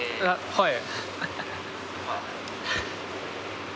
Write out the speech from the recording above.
はい。